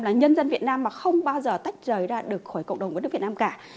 là nhân dân việt nam mà không bao giờ tách rời ra được khỏi cộng đồng của nước việt nam cả